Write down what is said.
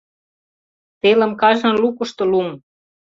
Телым кажне лукышто лум.